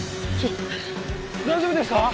大丈夫ですか！？